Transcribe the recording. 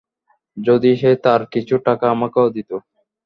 যদি সে তার কিছু টাকা আমাকেও দিতো!